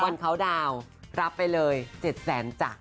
วันเค้าดาวน์รับไปเลย๗แสนจักร